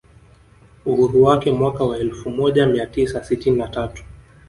Uhuru wake mwaka wa elfu moja mia tisa sitini na tatu